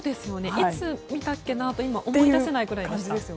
いつ見たっけなと今、思い出せないくらいでした。